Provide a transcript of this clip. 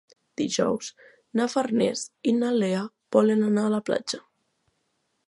Dijous na Farners i na Lea volen anar a la platja.